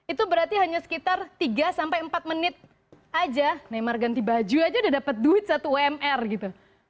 itu berarti hanya sekitar tiga sampai empat menit aja neymar ganti baju aja udah dapet duit satu umr gitu